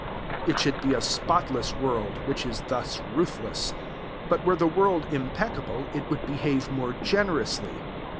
It should be a spotless world which is thus ruthless. But were the world impeccable it would behave more generously.